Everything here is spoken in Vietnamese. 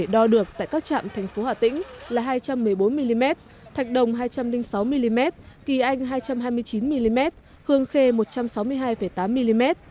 đo được tại các trạm thành phố hà tĩnh là hai trăm một mươi bốn mm thạch đồng hai trăm linh sáu mm kỳ anh hai trăm hai mươi chín mm hương khê một trăm sáu mươi hai tám mm